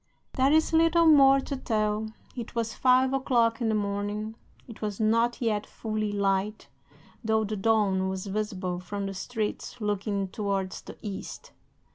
"'There is little more to tell. It was five o'clock in the morning. It was not yet fully light, though the dawn was visible from the streets looking towards the east.